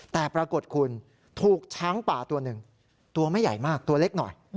แต่ปรากฏคุณถูกช้างป่าตัวหนึ่งตัวไม่ใหญ่มากตัวเล็กหน่อย